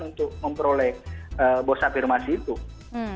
untuk memperoleh bos afirmasi itu